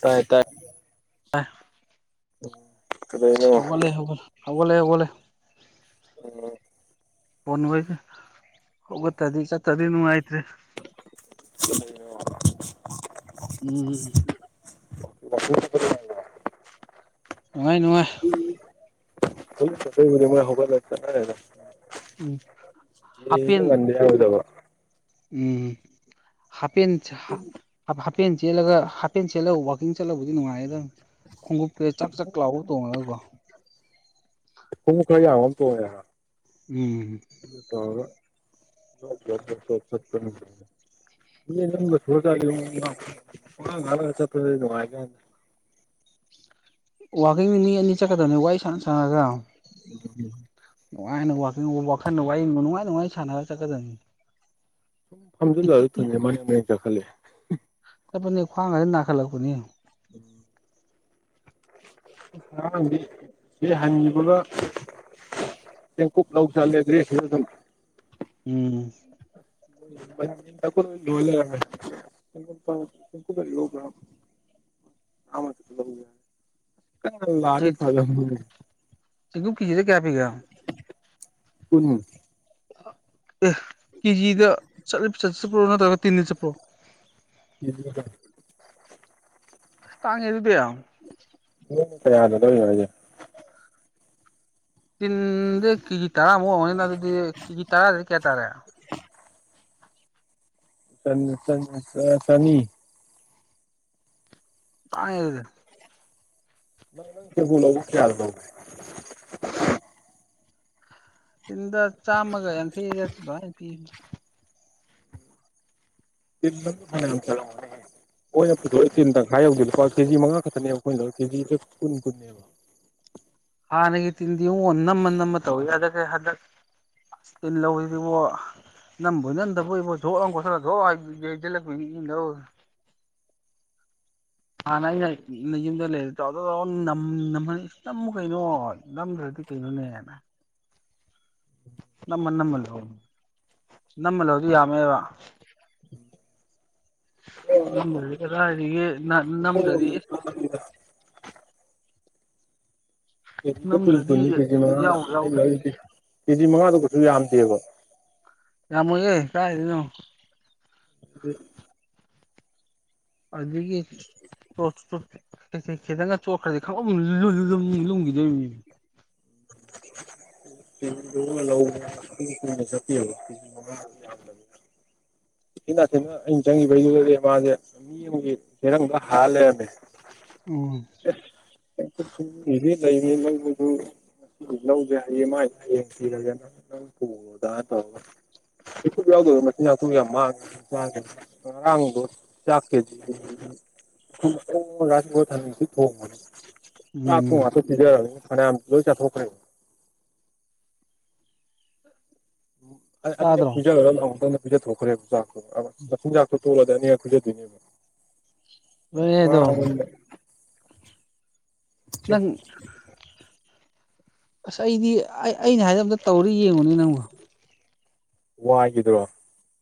ꯇꯥꯏ ꯇꯥꯏ ꯁꯒ ꯀꯩꯗꯩꯅꯣ ꯍꯒ ꯁꯒꯂ ꯍꯒ ꯐꯟꯣꯏ ꯍꯒ ꯇꯗꯤ ꯆꯠꯠꯇꯗꯤ ꯅꯨꯡꯉꯥꯏꯇ꯭ꯔꯤ [inaudible] ꯎꯝ [unintelligible] ꯅꯥꯏ ꯅ ꯍꯂ ꯀꯕꯨ ꯃ ꯍꯕ ꯂ ꯎꯝ ꯅꯤ ꯃꯟꯦ ꯌꯥꯎꯗꯕ ꯎꯝꯞ ꯍꯥꯄꯦꯟ ꯍꯥꯐꯦꯟ ꯆꯦꯜꯂꯒ ꯍꯥꯞꯐꯦꯟ ꯆꯦꯜꯂ ꯋꯥꯛꯀꯤꯡ ꯆꯠꯍꯧꯕꯕꯨꯗꯤ ꯅꯨꯡꯉꯥꯏꯌꯦꯗꯪ ꯈꯣꯡꯎꯞꯇꯦ ꯆꯥꯛ ꯆꯥꯛ ꯂꯥꯎ ꯇꯣꯡꯉꯒꯀ ꯍꯨ ꯈ ꯌꯥ ꯋꯥꯝ ꯇ ꯑꯣꯏ ꯎꯝ ꯠ ꯁꯠꯄ ꯅꯣꯒ ꯆ [unintelligible] ꯋꯥꯋꯀꯤꯡꯗꯤ ꯃꯤ ꯑꯅꯤ ꯆꯠꯀꯗꯕꯅꯤ ꯋꯥꯔꯤ ꯁꯅ ꯁꯥꯟꯅꯔꯒ ꯎꯝ ꯅꯨꯡꯉꯥꯏꯅ ꯋꯥꯀꯤꯡ ꯋꯥꯈꯜ ꯋꯥꯔꯤ ꯅꯨꯡꯉꯥꯏ ꯅꯨꯡꯉꯥꯏ ꯁꯥꯟꯅꯔꯒ ꯆꯠꯀꯗꯕꯅꯤ ꯐꯍꯖꯜꯥ ꯊ ꯃꯅꯤ ꯃ ꯆ ꯈꯂꯦ ꯇꯅꯤ ꯈ꯭ꯋꯥꯉꯁꯤꯦ ꯅꯥꯈꯜꯂꯛꯄꯅꯤ ꯎꯝ ꯍꯗꯤ ꯍꯥꯏꯥꯟꯒꯂ ꯈ ꯂ ꯂꯧ ꯆꯂ ꯑꯗꯨꯦ ꯎꯝ ꯣ ꯂꯂ ꯗ ꯌꯣꯕ꯭ꯔ ꯑꯃ ꯆꯂ ꯌꯥꯦ ꯑ ꯂꯗ ꯐꯜ ꯆꯦꯡꯀꯨꯞ ꯀꯦꯖꯤꯗ ꯀꯌꯥ ꯄꯤꯒꯦ ꯑꯦ ꯀꯅ ꯍꯥꯏ ꯑꯦ ꯀꯦꯖꯤꯗꯣ ꯅꯠꯇ꯭ꯔꯒ ꯇꯅꯤ ꯆ ꯄ꯭ꯔꯣ ꯀꯦꯖꯤꯒ ꯇꯥꯡꯉꯦ ꯑꯗꯨꯗꯤꯌꯥ ꯀ ꯌꯥꯗꯗꯧꯒꯦ ꯇꯤꯟꯗꯤꯦ ꯀꯦꯖꯤ ꯇꯔꯥꯃꯨꯛ ꯑꯣꯏꯉꯅꯤꯅ ꯑꯗꯨꯗꯤ ꯀꯦꯖꯤ ꯇꯔꯥꯗꯤ ꯀꯌꯥ ꯇꯥꯔꯦ ꯁ ꯁꯅꯤ ꯇꯥꯡꯗꯤ ꯕꯨꯂ ꯈꯌꯥ ꯇ ꯇꯤꯟꯗ ꯆꯥꯝꯃꯒ ꯌꯥꯝ ꯊꯤꯤ ꯏ ꯑꯣꯏꯅ ꯄꯨꯊꯣꯛꯑꯦ ꯇꯤꯟ ꯇꯪꯈꯥꯏ ꯌꯧꯗꯦꯀꯣ ꯀꯦꯖꯤ ꯃꯉꯥ ꯈꯛꯇꯅꯦꯕ ꯑꯩꯈꯣꯏꯅ ꯀꯦꯖꯤ ꯀꯨꯟ ꯀꯨꯟꯅꯅꯦꯕ [unintelligible] ꯍꯅꯒꯤ ꯇꯤꯟ ꯎ ꯅꯃ ꯅꯃ ꯇꯧ ꯑꯗꯒ ꯍꯗ ꯂꯧꯧꯕꯔꯤꯕ ꯅꯕꯨꯅꯤꯗꯂ [unintelligible] ꯍꯥꯟꯅ ꯑꯩ ꯌꯨꯝꯗ ꯂꯩꯔ ꯅꯍꯜ ꯅꯝꯃꯨ ꯀꯩꯅꯣ ꯅꯝꯗ꯭ꯔ ꯗꯤ ꯀꯩꯅꯣꯅꯦ ꯍꯥꯏꯅ ꯅꯃ ꯅꯝꯃꯜ ꯅꯝꯃꯜꯂꯍꯗꯤ ꯌꯥꯝꯃꯦꯕ ꯉꯝꯂꯗꯤ ꯀꯗꯥ ꯍꯥꯏꯔꯤ ꯅꯝꯂ꯭ꯔꯗꯤ ꯄꯨꯟ ꯅꯝꯗ꯭ꯔꯗꯤ ꯀꯅꯤ ꯀ ꯌꯥꯎꯕꯨ ꯌꯥꯎꯗ꯭ꯔꯦ ꯀꯦꯖꯤ ꯃꯉꯥꯗ ꯀꯩꯁꯨ ꯌꯥꯝꯗꯦꯑꯕꯣ ꯌꯥꯝꯃꯦ ꯀꯥꯏꯗꯅꯣ ꯎꯝ ꯑꯗꯨꯗꯒꯤꯒꯤ ꯀꯩ ꯈꯤꯇꯪꯒ ꯆꯣꯠꯈ꯭ꯔꯗꯤ ꯈꯪ ꯂꯨꯝꯈꯤꯗꯣꯏꯅꯤ [unintelligible] [unintelligible] ꯏꯅꯥꯁꯤꯅ ꯑꯩꯅ ꯆꯪꯉꯤꯕꯩꯗꯨꯗꯗꯤ ꯃꯥꯁꯦ ꯃꯤ ꯑꯃꯒꯤ ꯍꯦꯔꯪꯗ ꯍꯥ ꯂꯩꯔꯝꯃꯦ ꯎꯝ ꯂꯩꯕꯤ ꯂ ꯃꯗꯨ ꯉꯁꯤꯗꯤ ꯂꯧꯁꯦ ꯍꯥꯏꯌꯦ ꯃꯥ ꯍꯌꯦꯡ ꯊꯤꯔꯒꯦ ꯅꯪ ꯅꯪ ꯄꯨꯔꯣꯗꯥ ꯇꯧꯔ ꯌꯥꯎ ꯃ ꯇꯨꯝ ꯑꯃ ꯆ ꯔꯕꯨ ꯆꯥꯛ ꯀꯦꯖꯤ ꯉꯁꯤ ꯊ ꯊ ꯃ ꯑꯄꯨ ꯎꯝ ꯋꯥꯊ ꯁꯤꯤꯖ ꯈ ꯂꯣꯏ ꯆꯊꯈꯔ ꯎꯝ ꯑꯅꯤꯅ ꯇꯥꯗ꯭ꯔꯣ ꯄꯤꯖ ꯈꯔ ꯂꯥꯎꯗ ꯄꯤꯖꯊ ꯊꯣꯛꯈ꯭ꯔꯦꯆꯥꯛꯇꯣꯆꯤꯟꯖꯥꯛꯇ ꯇꯣꯂꯗꯅꯤ ꯌꯥꯈꯖ ꯑꯗꯨꯣꯏꯅꯦꯕ ꯂꯣꯏꯔꯦ ꯃꯥ ꯑꯗꯣ ꯅꯪ [unintelligible] ꯑꯁ ꯑꯩꯗꯤ ꯑꯩ ꯑꯩꯅ ꯍꯥꯏꯕꯗ ꯇꯧꯔ ꯌꯦꯡꯉꯨꯅꯦ ꯅꯪꯕꯨ ꯋꯥ ꯍꯥꯏꯒꯗ꯭ꯔꯣ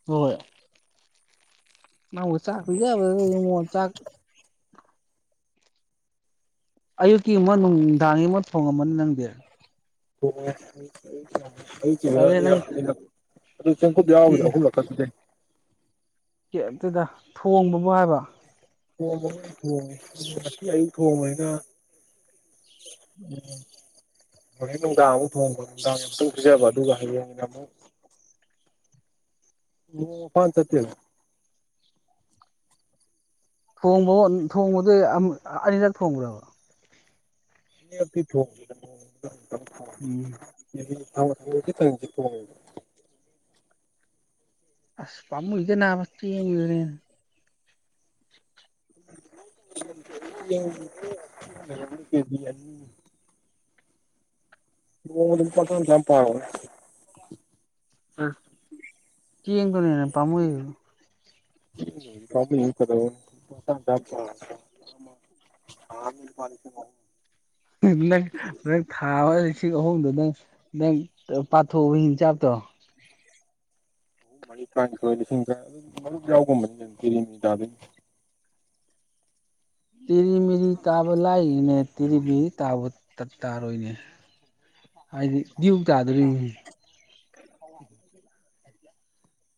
ꯍꯣꯏ ꯃꯥꯕꯨ ꯆꯥꯛ ꯌꯥ ꯆꯥꯛ ꯑꯌꯨꯛꯀꯤ ꯑꯃꯨꯛ ꯅꯨꯡꯗꯥꯡꯒꯤ ꯑꯃꯨꯛ ꯊꯣꯡꯉꯝꯃꯅꯤ ꯅꯪꯗꯤ ꯑꯣ ꯀ ꯑꯗꯩ ꯅꯪ ꯑꯗꯨꯗ ꯌꯥꯕꯨꯗꯈꯂꯔ ꯀꯦꯞꯇꯨꯗ ꯊꯣꯡꯕꯕꯨ ꯍꯥꯏꯕ [unintelligible] [unintelligible] ꯍꯣꯔꯦꯟ ꯅꯨꯡꯗꯥꯡ ꯑꯃꯨꯛ ꯊꯣꯡꯕ ꯅꯨꯡꯗꯥꯡꯒꯤꯅ ꯏꯁꯤꯡ ꯄꯤꯖꯕ ꯑꯗꯨꯒ‌ ꯍꯌꯦꯡꯒꯤꯅ ꯑꯃꯨꯛ ꯅꯣꯡꯃꯥ ꯐꯥꯅꯥ ꯆꯠꯇꯦꯅ ꯊꯣꯡꯕꯕꯨ ꯊꯣꯡꯕꯗꯨ ꯑꯝ ꯑꯅꯤꯔꯛ ꯊꯣꯡꯒꯔꯕ ꯑꯅꯤꯔꯛꯇꯤ ꯊꯣꯡꯒꯤꯕꯅꯦ ꯎꯝ [unintelligible] ꯑꯁ ꯄꯥꯝꯃꯨꯏꯗ ꯅꯕꯥ ꯆꯦꯡꯗꯨꯅ ꯍꯦꯟꯅ [unintelligible] ꯅꯣꯡꯃꯥꯗ ꯂꯨꯄꯥ ꯆꯥꯝ ꯆꯥꯝ ꯄꯥꯔꯣꯅꯦ ꯑꯁ ꯆꯦꯡꯗꯨꯅ ꯍꯦꯟꯅ ꯄꯥꯝꯃꯨꯏꯕꯨ [unintelligible] ꯊꯥꯑꯝꯗꯥ ꯂꯨꯄꯥ ꯂꯤꯁꯤꯡ ꯑꯍꯨꯝ [unintelligible] ꯂꯤꯁꯤꯡ ꯑꯍꯨꯝꯗꯣ ꯅꯪ ꯅꯪ ꯄꯥꯊꯣꯛꯑꯕ ꯍꯤꯡꯁꯥꯞꯇꯣ [unintelligible] ꯇꯦꯔꯤꯃꯤꯔꯤ ꯇꯥꯕ ꯂꯥꯏꯔꯤꯅꯦ ꯇꯦꯔꯤꯃꯤꯔꯤꯗꯤ ꯇꯥꯕ ꯇꯠ ꯇꯥꯔꯣꯏꯅꯦ ꯍꯥꯏꯗꯤ ꯗꯨꯎ ꯇꯥꯗꯣꯔꯤꯅꯤꯅꯦ [unintelligible]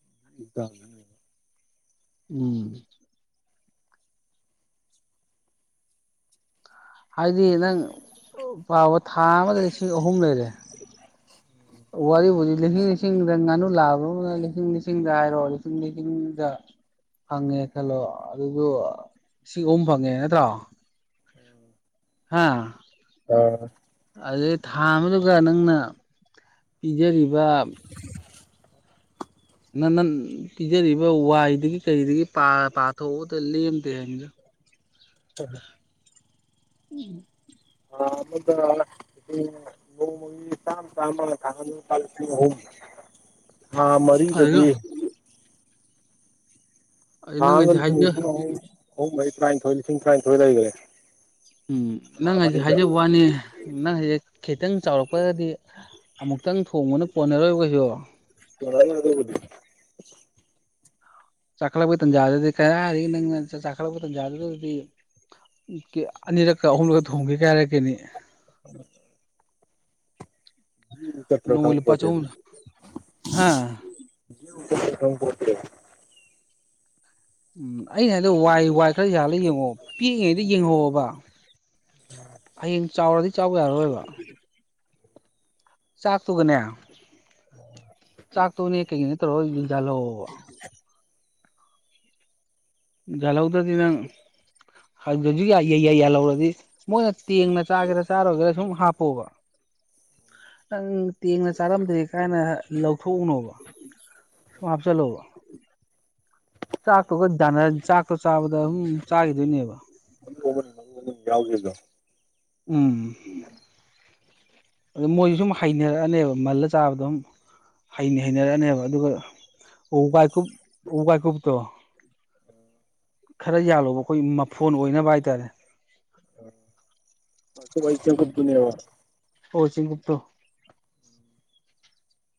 [unintelligible] ꯎꯝ ꯍꯥꯏꯗꯤ ꯅꯪ ꯄꯥꯎꯕ ꯊꯥ ꯑꯃꯗ ꯂꯤꯁꯤꯡ ꯑꯍꯨꯝ ꯂꯩꯔꯦ ꯋꯥꯔꯤꯕꯨꯗꯤ ꯂꯤꯁꯤꯡ ꯂꯤꯁꯤꯡꯗ ꯉꯥꯅꯨ ꯂꯥꯕ ꯑꯃ ꯑꯗꯨꯅ ꯂꯤꯁꯤꯡ ꯂꯤꯁꯤꯡꯗ ꯍꯥꯏꯔꯣ ꯂꯤꯁꯤꯡ ꯂꯤꯁꯤꯡꯗ ꯐꯪꯉꯦ ꯈꯜꯂꯣ ꯑꯗꯨꯖꯨ ꯂꯤꯁꯤꯡ ꯑꯍꯨꯝ ꯐꯪꯉꯦ ꯅꯠꯇ꯭ꯔꯣ ꯑꯥ [unintelligible] ꯊꯥ ꯑꯃꯗꯨꯒ ꯅꯪꯅ ꯄꯤꯖꯔꯤꯕ ꯅꯅꯟ ꯄꯤꯖꯔꯤꯕ ꯋꯥꯏꯗꯒꯤ ꯀꯩꯗꯒꯤ ꯄꯥ ꯄꯥꯊꯣꯛꯎꯗ ꯂꯦꯝꯗꯦ ꯍꯥꯏꯝꯅꯤꯗ [unintelligible] ꯎꯝ ꯑꯣ [unintelligible] ꯊꯥ ꯐꯔꯒ ꯃꯔꯤꯗꯗꯤ ꯑꯩ ꯅꯪ ꯊꯥꯑꯝꯗ ꯍꯥꯏꯁꯦ ꯂꯤꯁꯤꯡ ꯍꯥꯏꯖ ꯂꯤꯁꯤꯡ ꯑꯍꯨꯝ ꯑꯍꯨꯝ ꯃꯔꯤ ꯇꯔꯥꯏꯟꯊꯣꯏ ꯂꯤꯁꯤꯡ ꯇꯔꯥꯏꯟꯊꯣꯏ ꯂꯩꯈ꯭ꯔꯦ ꯎꯝ ꯊꯥ ꯅꯪ ꯍꯥꯖꯤꯛ ꯃꯔꯤꯗ ꯍꯥꯏꯖꯕ ꯋꯥꯅꯤ ꯅꯪ ꯍꯥꯖꯤꯛ ꯈꯤꯇꯪ ꯆꯥꯎꯔꯛꯄꯒꯗꯤ ꯑꯃꯨꯛꯇꯪ ꯊꯣꯡꯕꯅ ꯀꯣꯟꯅꯔꯣꯏ ꯀꯩꯁꯨ [unintelligible] ꯆꯈꯠꯂꯛꯄ ꯇꯟꯖꯥꯗꯗꯤ ꯀꯔꯥꯏꯗꯩ ꯅꯪ ꯆꯈꯠꯂꯛꯄ ꯇꯟꯖꯥꯗꯨꯗꯤ ꯎꯪ ꯀꯤ ꯑꯅꯤꯔꯛꯀ ꯑꯍꯨꯝꯂꯛꯀ ꯊꯣꯡꯕꯩꯒ ꯍꯥꯏꯔꯛꯇꯦꯃꯤ ꯎꯝ ꯅꯣꯡꯃ ꯂꯨꯄꯥ ꯆꯍꯨꯝ ꯍꯥ [unintelligible] [unintelligible] ꯎꯝ ꯑꯩꯅ ꯍꯥꯏꯗꯣ ꯋꯥꯏ ꯋꯥꯏ ꯈꯔ ꯌꯥꯜꯂ ꯌꯦꯡꯉꯣ ꯄꯤꯛꯏꯉꯩꯗ ꯌꯦꯡꯍꯧꯑꯕ ꯍꯌꯦꯡ ꯆꯥꯎꯔꯗꯤ ꯆꯥꯎ ꯌꯥꯔꯔꯣꯏꯕ ꯆꯥꯛꯇꯨꯒꯅꯦ ꯆꯥꯛꯇꯨꯅꯦ ꯀꯩꯀꯩꯅꯦ ꯇꯧꯔꯒꯥ ꯑꯗꯨ ꯌꯥꯜꯍꯧꯑꯕ [unintelligible] ꯃꯣꯏꯅ ꯇꯦꯡꯅ ꯆꯥꯒꯦꯔꯥ ꯆꯥꯔꯣꯏꯒꯦꯔꯥ ꯁꯨꯝ ꯍꯥꯞꯄꯣꯕ ꯅꯪ ꯇꯦꯡꯅ ꯆꯥꯔꯝꯗ꯭ꯔꯦ ꯀꯥꯏꯅ ꯂꯧꯊꯣꯛꯎꯅꯣꯕ ꯁꯨꯝ ꯍꯞꯆꯜꯂꫭꯕ ꯆꯥꯛꯇꯣꯒ ꯖꯥꯟꯅ ꯆꯥꯛꯇꫭ ꯆꯥꯕꯗ ꯑꯗꯨꯝ ꯆꯥꯒꯤꯗꯣꯏꯅꯦꯕ ꯃꯔꯨ ꯑꯃꯅꯤ ꯃꫪꯨ ꯑꯃꯅꯤ ꯌꯥꯎꯒꯤꯕꯗꫭ ꯎꯝ ꯑꯗꯨ ꯃꯣꯏꯁꯨ ꯁꯨꯝ ꯍꯩꯅꯔꯛꯑꯅꯦꯕ ꯃꯜꯂ ꯆꯥꯕꯗꫭ ꯑꯗꯨꯝ ꯍꯩ ꯍꯩꯅꯔꯛꯑꯅꯦꯕ ꯑꯗꯨꯒ ꯋꯥꯥꯏꯀꯨꯞ ꯋꯥꯥꯏꯀꯨꯞꯇꯣ ꯈꯔꯥ ꯌꯥꯜꯂꯣꯕꯀꫭ ꯑꯩꯈꯣꯏꯒꯤ ꯃꯐꯣꯟ ꯑꯣꯏꯅꯕ ꯍꯥꯏꯇꯥꯔꯦ ꯑ ꯋꯥꯀꯨꯞ ꯍꯥꯏꯁ‌ꯦ ꯆ‌ꯦꯡꯀꯨꯞ ꯇꯨꯅ‌ꯦꯕ ꯍꫭꯏ ꯆꯤꯡꯒꯨꯞꯇꫭ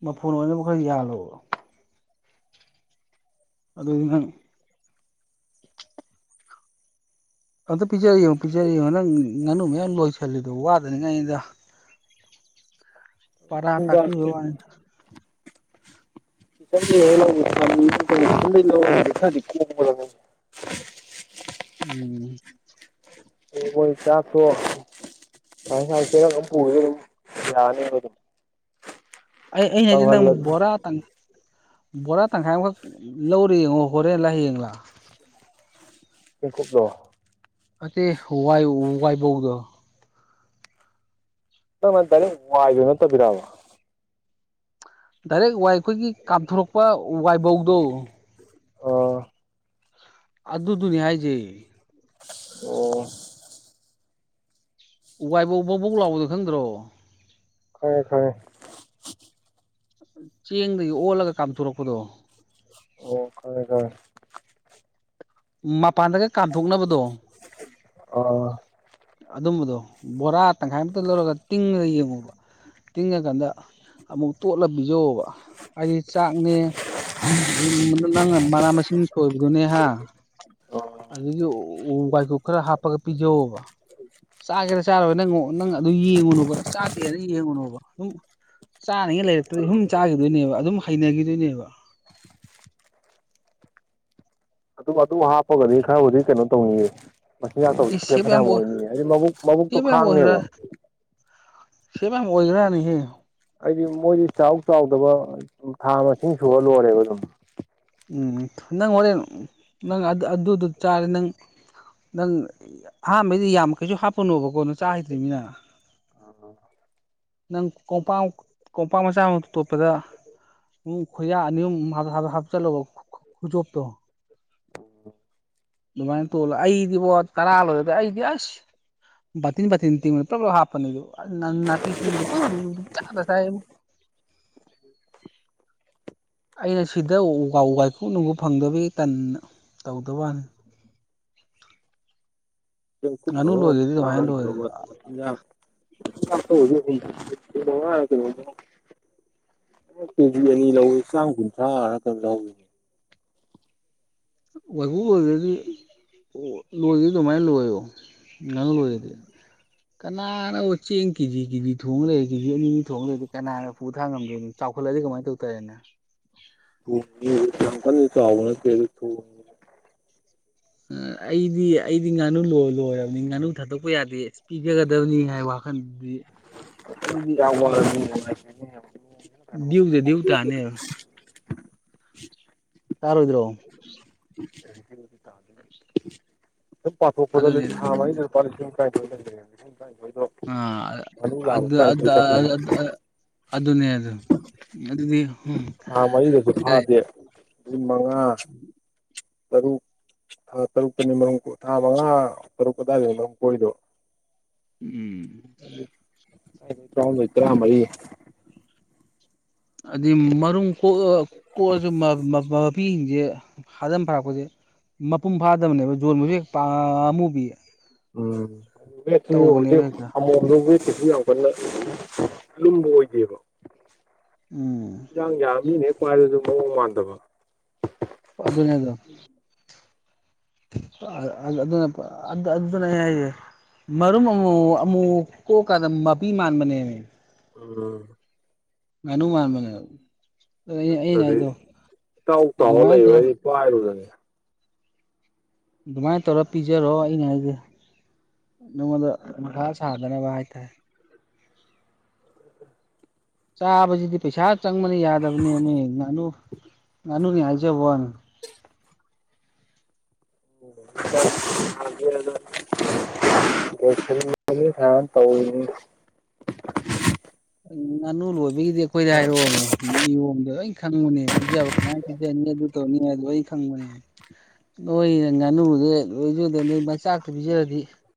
ꯃꯐꫭꯟ ꯑꯣꯏꯅꯈꯔ ꯌꯥꯜꯂꯨꯕ ꯑꯗꯨꯑꫭꯏꯗꯤ ꯅꯪ ꯑꯝꯇ ꯄꯤꯖꯔ ꯌ‌ꯦꯉꯨ ꯄꯤꯖꯔ ꯌ‌ꯦꯉꯨ ꯅꯪ ꯉꯥꯅꯨ ꯃꯌꯥꯝ ꯂꯣꯏꯁꯤꯜꯂꯤꯗꯣ ꯋꯥꯠ ꯗꯅꯤ ꯉꯥꯏꯅꯤꯗ ꯄꯔꯥ ꯇꯥꯛꯄꯤꯕ ꯃꯆꯤꯟꯖꯥꯛꯁꯦ ꯋꯥꯅꯤꯗ [unintelligible] [unintelligible] ꯎꯝ ꯀꯩꯅꫭ ꯆꯥꯛꯇꫭ ꯁꯥꯏ ꯁꯥꯏ ꯆ‌ꯦꯔꯪ ꯑꯃ ꯄꯨꯔꯒ ꯌꯥꯔꯅ‌ꯦꯕ ꯑꯗꯨꯝ ꯑꯩ ꯑꯩꯅ ꯍꯥꯏꯖꯤ ꯅꯪ ꯀꯪꯍꯜꯂꯁꯨ ꯕꯣꯔꯥꯇꯪ ꯕꯣꯔꯥ ꯇꯪꯈꯥꯏ ꯑꯃꯈꯛ ꯂꯧꯔꯦ ꯌꯦꯡꯉꯣ ꯍꯣꯔꯦꯟ ꯂꯥ ꯍꯌꯦꯡꯂ ꯆ‌ꯦꯡꯀꯨꯞꯂꫭ ꯅꯠꯇ‌ꯦ ꯋꯥ ꯋꯥꯏ ꯋꯥꯏꯕꯧꯗꯣ ꯇꯛꯃꯟ ꯋꯥꯏꯗꫭ ꯅꯠꯇꯕꯤꯔꯕ ꯗꯥꯏꯔꯦꯛ ꯋꯥꯏ ꯑꯩꯈꯣꯏꯒꯤ ꯀꯥꯝꯊꯣꯔꯛꯄ ꯋꯥꯏꯕꯧꯗꯣ ꯑꯣ ꯑꯗꯨꯗꯨꯅꯤ ꯍꯥꯏꯖ‌ꯦ ꯑꯣ ꯎ ꯋꯥꯥꯏ ꯕꯧ ꯕꯧ ꯂꯥꯎꯕꯗꯣ ꯈꯪꯗ꯭ꯔꯣ ꯈꯪꯉ‌ꯦ ꯈꯪꯉ‌ꯦ ꯆꯦꯡꯗꯒꯤ ꯑꯣꯜꯂꯒ ꯀꯥꯝꯊꯣꯔꯛꯄꯗꯣ ꯑꯣ ꯈꯪꯉ‌ꯦ ꯈꯪꯉ‌ꯦ ꯃꯄꯥꯟꯗꯒ ꯀꯥꯝꯊꯣꯛꯅꯕꯗꯣ ꯑꯥ ꯑꯗꯨꯝꯕꯗꯣ ꯕꯣꯔꯥ ꯇꯪꯈꯥꯏꯃꯛꯇ ꯂꯧꯔꯒ ꯇꯤꯡꯉꯒ ꯌꯦꯡꯉꯨꯕ ꯇꯤꯡꯉꯀꯥꯟꯗ ꯑꯃꯨꯛ ꯇꯣꯠꯂ ꯄꯤꯖꯧꯕ ꯍꯥꯏꯗꯤ ꯆꯥꯛꯅꯦ ꯑꯗꯩ ꯅꯪ ꯃꯅ ꯃꯁꯤꯡ ꯁꫭꯏꯕꯗꯨꯅ‌ꯦ ꯍ ꯑꯥ ꯑꯗꯨꯗꯤ ꯑꫭ ꯋꯥꯏꯀꯨꯞ ꯈꯔ ꯍꯥꯞꯄꯒ ꯄꯤꯖꯧ ꯑꯣꯕ ꯆꯥꯒꯦꯔꯥ ꯆꯥꯔꯣꯏꯔ ꯅꯪ ꯅꯪꯅ ꯑꯗꯨ ꯌꯦꯡꯉꯨꯅꫭꯕ ꯑꯁ ꯆꯥꯗꯦꯅ ꯌꯦꯡꯉꯨꯅꫭꯕ ꯑꯗꯨꯝ ꯆꯥꯅꯤꯡꯉꯩ ꯂꯩꯔꯛꯇ꯭ꯔꯗꯤ ꯁꯨꯝ ꯆꯥꯒꯤꯗꯣꯏꯅꯦꯕ ꯑꯗꯨꯝ ꯍꯩꯅꯈꯤꯗꯣꯏꯅꯦꯕ ꯑꯗꯨꯝ ꯑꯗꯨ ꯍꯥꯞꯄꯒꯗꯤ ꯈꯔꯕꯨꯗꯤ ꯀꯩꯅꯣ ꯇꯧꯅꯤꯡꯌꯦ ꯃꯆꯤꯟꯖꯥꯛ ꯇꯕꯨꯗꯤ ꯏꯁ ꯁ‌ꯦꯞ ꯁꯦꯞ ꯌꯥꯝ ꯐꯥꯅꯝ ꯑꯣꯏꯅꯤ ꯍꯥꯏꯗꯤ ꯃꯕꯨꯛ ꯃꯕꯨꯛꯇꯣ ꯈꯥꯡꯅꯦꯕ ꯁ‌ꯦꯞ ꯌꯥꯝ ꯑꯣꯏꯒ꯭ꯔꯥꯅꯤꯍꯦ ꯑꯩꯗꯤ ꯃꯣꯏꯗꯤ ꯆꯥꯎ ꯆꯥꯎꯗꯕ ꯊꯥ ꯃꯁꯤꯡ ꯁꯨꯔ ꯂꯣꯏꯔꯦꯕ ꯑꯗꯨꯝ ꯎꯝ ꯅꯪ ꯍꯣꯔꯦꯟ ꯅꯪ ꯑꯗꯨ ꯑꯗꯨꯗꫭ ꯆꯥꯔꯗꯤ ꯅꯪ ꯅꯪ ꯑꯍꯥꯟꯕꯩꯗꯤ ꯌꯥꯝ ꯀꯩꯁꯨ ꯍꯥꯞꯄꯨꯅꯣꯕꯀꯣ ꯆꯥ ꯍꯩꯇ꯭ꯔꯤꯃꯤꯅ ꯑ ꯅꯪ ꯀꯣꯡꯄꯥꯛ ꯀꯣꯝꯄꯥꯛ ꯃꯆꯥ ꯑꯃ ꯇꯣꯠꯄꯗ ꯎ ꯈꯨꯌ ꯍꯥꯞ ꯆꯂꯣ ꯈꯣꯖꯣ ꯇꯣ ꯑꯣ ꯑꯗꯨꯃꯥꯏꯅ ꯇꯣꯠꯂꫭ ꯑꯩꯗꯤꯕꯣ ꯇꯔꯥ ꯂꯣꯏꯔꯗꯤ ꯑꯩꯗꯤ ꯑꯁ ꯕꯠ ꯇꯤꯟꯕ ꯇꯤꯟꯅ ꯇꯤꯟꯅꯤ꯭ꯔꯣꯕ꯭ꯂꯂꯦꯝ ꯍꯥꯄꯅꯤ ꯑꯗꯨ ꯅ ꯁꯤꯗ ꯄꯗ ꯁꯥꯕ ꯑꯩꯅ ꯁꯤꯗ ꯎ ꯋꯥꯏꯀꯨꯞ ꯅꯨꯡꯉ ꯐꯪꯗꯕꯒꯤ ꯇꯟꯅ ꯇꯧꯗꯕꯅꯤ ꯉꯥꯅꯨ ꯂꯣꯏꯒꯦꯗꯤ ꯑꯗꯨꯃꯥꯏꯅ ꯅꯃ [inaudible] ꯂꯣꯏꯔꯦ ꯀꯦꯖꯤ ꯑꯅꯤ ꯂꯧꯏꯤ ꯆꯥꯝ ꯀꯨꯟꯊ꯭ꯔꯥ ꯉꯛꯇ ꯂꯧꯏꯅꯦ ꯋꯥꯒꯨ ꯑꯣꯏꯗꯗꯤ ꯂꯣꯏꯒꯦ ꯑꯗꯨꯃꯥꯏꯅ ꯂꯣꯏꯣ ꯅꯉ ꯑꯣꯏꯔꯗꯤ ꯀꯅꯥꯅꯕꯨ ꯆꯦꯡ ꯀꯦꯖꯤ ꯀꯦꯖꯤ ꯊꯣꯡ꯭ꯔꯦ ꯀꯦꯖꯤ ꯑꯅꯤ ꯑꯅꯤ ꯊꯣꯡ꯭ꯔꯦ ꯀꯅꯥꯅ ꯄꯨꯨ ꯊꯥꯡ ꯉꯝꯗꯦꯅꯣ ꯆꯥꯎꯈꯠꯂꯛ ꯀ ꯀꯃꯥꯏ ꯇ ꯎꯦꯅ [unintelligible] ꯅꯤꯕꯅ ꯀ ꯊ ꯎ ꯑꯩꯗꯤ ꯑꯩꯗꯤ ꯉꯥꯅꯨ ꯂꯣꯏꯔꯕꯅꯤ ꯉꯥꯅꯨ ꯊꯥꯗꯣꯛꯄ ꯌꯥꯗꯦ ꯑ ꯄꯤꯖꯒꯗꯕꯅꯤ ꯍꯥꯏꯕ ꯋꯥꯈꯜꯗꯤ [unintelligible] ꯗ꯭ꯌꯨꯗ ꯗ꯭ꯌꯨ ꯇꯥꯅꯦꯕ [unintelligible] ꯌꯥꯔꯣ ꯑꯣꯏꯔꯣ ꯦ ꯑ ꯄꯊ ꯐ ꯐꯗ ꯂꯩ ꯄ ꯀꯥꯏ ꯑ ꯑ ꯑ ꯑꯗꯨ ꯇꯔꯥꯅꯤꯊꯣꯏ ꯆꯠꯈ꯭ꯔꯅꯤ ꯑꯗꯨꯅꯦ ꯑꯗꯨ ꯑꯗꯨ ꯑꯗꯨꯗꯤ ꯎꯝ ꯊꯥ ꯃꯔꯤꯗꯁꯨ ꯑꯦ ꯐꯥꯗꯦ ꯂꯤ ꯃꯉꯥ ꯇꯔꯨꯛ ꯊꯥ ꯇꯔꯨꯛꯀꯅꯤ ꯃꯔ ꯊꯥ ꯃꯉꯥ ꯇꯔꯨꯛ ꯑꯗꯥꯋꯥꯏ ꯃꯔꯝ ꯀꯣꯏꯗꯣ ꯎꯝ ꯇ꯭ꯔꯇ꯭ꯔꯥ ꯃꯔꯤ ꯑꯗꯨꯗꯤ ꯃꯔꯨꯝ ꯀꯣꯛꯑ ꯀꯣꯛꯑꯁꯨ ꯁꯦ ꯍꯥꯗ ꯐꯥꯔꯛꯄꯁꯦ ꯃꯄꯨꯡ ꯐꯥꯗꯕꯅꯦꯕ ꯌꯣꯟꯕꯁꯨ ꯍꯦꯛ ꯄꯥ ꯑꯃꯨꯕꯤꯌꯦ ꯎꯝꯗꯤ ꯍꯦꯛꯇ ꯑꯃꯣꯝ ꯁꯨ ꯌꯥꯝ ꯀꯟꯅ ꯂꯨꯝꯕ ꯑꯣꯏꯗꯦꯕ ꯎꯝ ꯌꯥ ꯌꯥ ꯃꯤꯅꯦ ꯍꯦꯛ ꯄꯥꯏꯕꯁꯨ ꯃꯑꯣꯡ ꯃꯥꯟꯗꯕ ꯑꯗꯨ ꯑꯗꯨꯅꯦꯗ ꯑꯗꯨꯅ ꯑꯗꯨ ꯑꯗꯨ ꯑꯗꯨꯅꯦ ꯍꯥꯏꯖꯦ ꯃꯔꯨꯝ ꯑꯃꯨ ꯑꯃꯨꯛ ꯀꯣꯛ ꯀꯟꯗ ꯃꯄꯤ ꯃꯥꯟꯕꯅꯦ ꯃꯦ ꯎꯝ ꯉꯅꯨ ꯃꯥ ꯃꯅꯦ ꯑꯗꯨꯅꯦ ꯑꯩꯅꯥ ꯅꯠꯇ꯭ꯔꯗꯤ ꯍꯥꯏꯗꯣ ꯏꯇꯥꯎ ꯇꯥꯎꯔ ꯑꯗꯨꯃꯥꯏ ꯂꯩꯕ ꯊꯣ ꯑꯩꯗꯤ ꯄꯥꯏꯔꯨꯔꯅꯤ ꯑꯗꯨꯃꯥꯏꯅ ꯇꯧꯔ ꯄꯤꯖꯔꯣ ꯑꯗꯨ ꯅꯦ ꯑꯩꯅ ꯍꯥꯏꯁꯦ ꯅꯪ ꯉꯣꯟꯗꯥ ꯃꯊꯥ ꯁꯥꯗꯅꯕ ꯍꯥꯏ ꯇꯦꯔꯦ꯫ ꯆꯥꯕꯁꯤꯗꯤ ꯄꯩꯁꯥ ꯆꯪꯕꯅꯤ ꯌꯥꯗꯕꯅꯦꯃꯤ ꯉꯥꯅꯨ ꯉꯥꯅꯨꯅꯦ ꯍꯥꯏꯖꯕ ꯋꯥꯅꯦ ꯎꯦ ꯁ ꯍ ꯇꯧꯅꯤ ꯉꯥꯅꯨ ꯂꯣꯏꯕꯒꯤꯗꯤ ꯑꯩꯈꯣꯏꯗ ꯍꯥꯏꯔꯛꯑꯣꯃꯦ ꯅꯤꯌꯣꯝꯗꯣ ꯑꯩ ꯈꯪꯕꯅꯦ ꯄꯤꯖꯕ ꯀꯃꯥꯏꯅ ꯄꯤꯖꯅꯤ ꯑꯗꯨ ꯇꯧꯅꯤ ꯑꯗꯨ ꯑꯩ ꯈꯪꯕꯅꯦ ꯅꯣꯏ ꯉꯥꯅꯨꯗ ꯂꯣꯏꯖꯗ ꯅꯣꯏ ꯃꯆꯥꯛꯇ ꯄꯤꯖꯔꯗꯤ